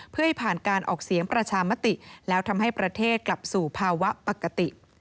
เพื่อให้ผ่านการออกเสียงประชามติแล้วทำให้ประเทศกลับสู่ภาวะปกติ